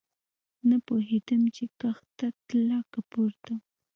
نه پوهېدم چې کښته تله که پورته.